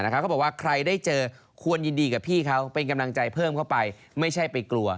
เขาบอกว่าใครได้เจอควรยินดีกับพี่เขาเป็นกำลังใจเพิ่มเข้าไปไม่ใช่ไปกลัว